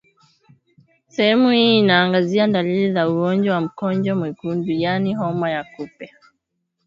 Sehemu hii inaangazia dalili za ugonjwa wa Mkojo Mwekundu yaani homa ya kupe